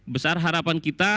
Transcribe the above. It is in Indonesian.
besar harapan kita